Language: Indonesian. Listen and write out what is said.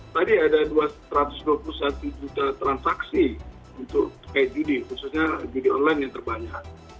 tadi ada satu ratus dua puluh satu juta transaksi untuk kayak judi khususnya judi online yang terbanyak